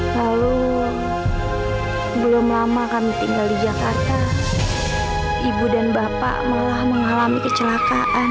lalu belum lama kami tinggal di jakarta ibu dan bapak malah mengalami kecelakaan